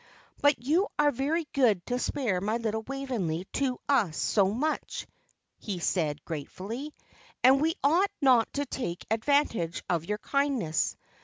"But you are very good to spare my little Waveney to us so much," he said, gratefully, "and we ought not to take advantage of your kindness.